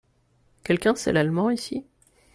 Quelqu'un sait l'allemand ici ?